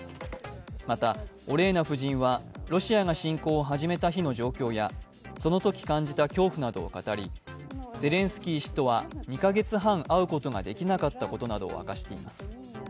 また、オレーナ夫人は、ロシアが侵攻を始めた日の状況やそのとき感じた恐怖などを語り、ゼレンスキー氏とは２カ月半会うことができなかったことなどを明かしています。